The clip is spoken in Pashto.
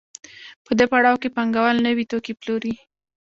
په دې پړاو کې پانګوال نوي توکي پلوري